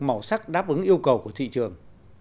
màu sắc đáp ứng yêu cầu của thị trường